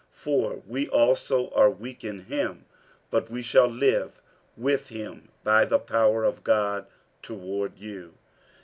For we also are weak in him, but we shall live with him by the power of God toward you.